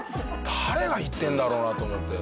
誰が言ってるんだろうなと思って。